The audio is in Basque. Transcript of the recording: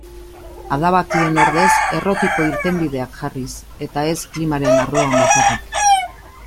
Adabakien ordez errotiko irtenbideak jarriz, eta ez klimaren arloan bakarrik.